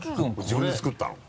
自分で作ったの？